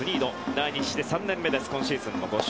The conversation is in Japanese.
来日して３年目今シーズン５勝。